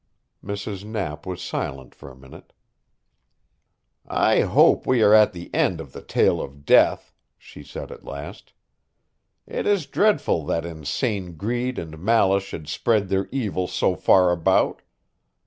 Mrs. Knapp was silent for a minute. "I hope we are at the end of the tale of death," she said at last. "It is dreadful that insane greed and malice should spread their evil so far about.